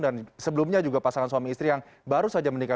dan sebelumnya juga pasangan suami istri yang baru saja menikah